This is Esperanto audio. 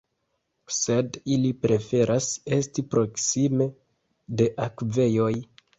Sed ili preferas esti proksime de akvejoj.